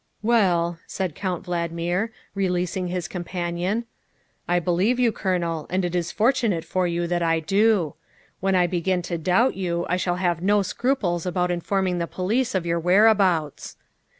" Well," said Count Valdmir, releasing his compan ion, " I believe you, Colonel, and it is fortunate for you that I do. When I begin to doubt you I shall have no scruples about informing the police of your where abouts."